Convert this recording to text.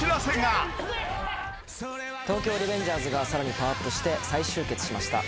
『東京リベンジャーズ』がさらにパワーアップして再集結しました。